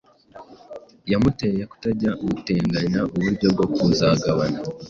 yamuteye kutajya guteganya uburyo bwo kuzagabana